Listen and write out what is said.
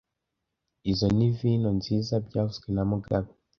Izoi ni vino nziza byavuzwe na mugabe